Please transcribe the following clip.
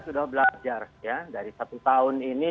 sudah belajar ya dari satu tahun ini